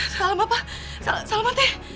salam ma pa salam ma teh